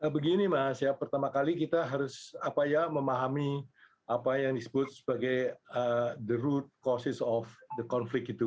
begini mas ya pertama kali kita harus memahami apa yang disebut sebagai the root causes of the conflict itu